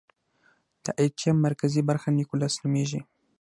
د ایټم مرکزي برخه نیوکلیس نومېږي.